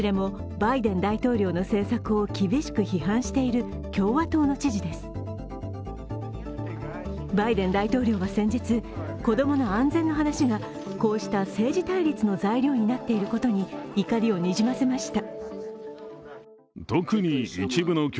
バイデン大統領は先日、子供の安全の話がこうした政治対立の材料になっていることに怒りをにじませました。